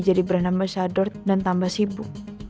jadi brand ambassador dan tambah sibuk